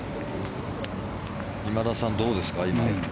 今田さん、どうですか？